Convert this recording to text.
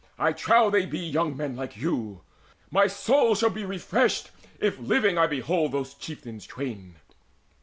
I trow they be Young men like you. My soul shall be refreshed If living I behold those chieftains twain."